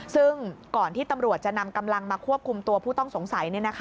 ซึ่งก่อนที่ตำรวจจะนำกำลังมาควบคุมตัวผู้ต้องสงสัย